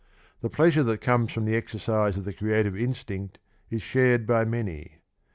The plea sure that comes from the exercise of the creative instinct is shared by many.